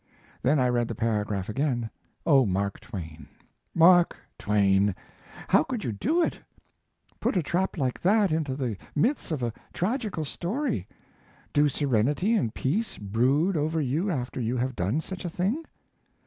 Then I read the paragraph again. Oh, Mark Twain! Mark Twain! How could you do it? Put a trap like that into the midst of a tragical story? Do serenity and peace brood over you after you have done such a thing?